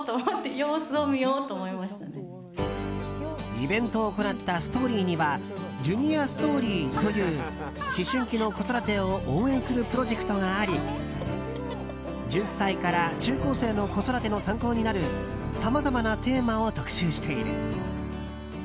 イベントを行った「ＳＴＯＲＹ」には「ＪｕｎｉｏｒＳＴＯＲＹ」という思春期の子育てを応援するプロジェクトがあり１０歳から中高生の子育ての参考になるさまざまなテーマを特集している。